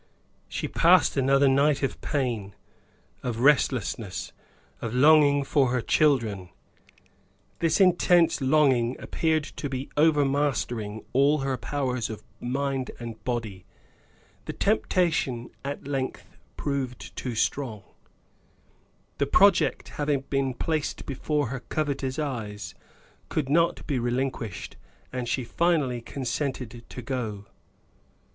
She passed another night of pain, of restlessness, of longing for her children; this intense longing appeared to be overmastering all her powers of mind and body. The temptation at length proved too strong; the project having been placed before her covetous eyes could not be relinquished, and she finally consented to go.